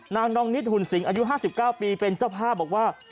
นางนองนิดหุ่นสิงอายุ๕๙ปีเป็นเจ้าภาพบอกว่า